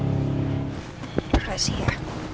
terima kasih ya